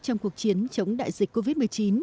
trong cuộc chiến chống đại dịch covid một mươi chín